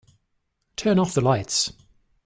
Turn off the lights.